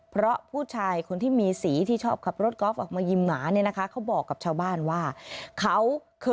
เพราะผู้ชายคนที่มีสีที่ชอบขับรถกอล์ฟออกมายิ่มหมาเนี่ยนะคะ